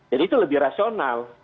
jadi itu lebih rasional